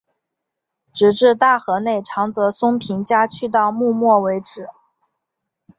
直至大河内长泽松平家去到幕末为止。